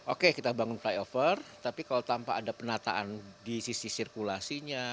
oke kita bangun flyover tapi kalau tanpa ada penataan di sisi sirkulasinya